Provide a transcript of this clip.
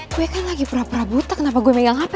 gue kan lagi pura pura buta kenapa gue megang hape ya